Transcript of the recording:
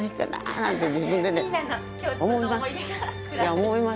思います